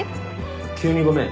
急にごめん。